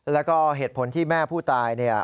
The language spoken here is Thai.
แล้วก็เหตุผลที่แม่ผู้ตาย